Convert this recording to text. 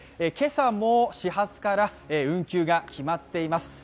今朝も始発から運休が決まっています。